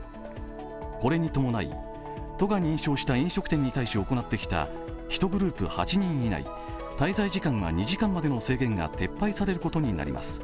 これに伴い、都が認証した飲食店に対し行ってきた１グループ８人以内滞在時間が２時間までの制限が撤廃されることになります。